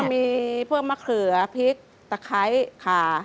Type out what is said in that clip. มีพวกมะเขือพริกตะไคร้ขา